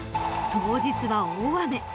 ［当日は大雨］